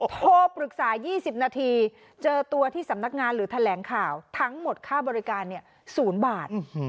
โทรปรึกษา๒๐นาทีเจอตัวที่สำนักงานหรือแถลงข่าวทั้งหมดค่าบริการ๐บาท